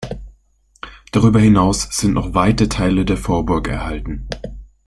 Darüber hinaus sind noch weite Teile der Vorburg erhalten.